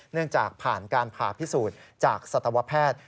เนื่องจากผ่านการผ่าพิสูจน์จากสัตวแพทย์